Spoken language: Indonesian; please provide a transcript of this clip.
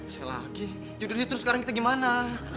saya lagi yaudah deh terus sekarang kita gimana